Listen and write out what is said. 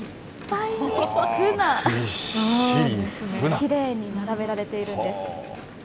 きれいに並べられているんです。